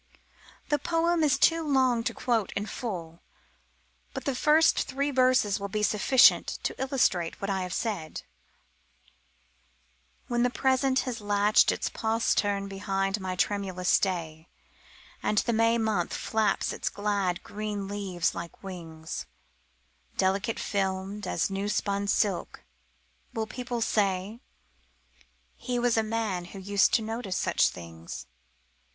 The poem is too long to quote in full, but the first three verses will be sufficient to illustrate what I have said: When the Present has latched its postern behind my tremulous stay, And the May month flaps its glad green leaves like wings, Delicate filmed as new spun silk, will the people say: "He was a man who used to notice such things"?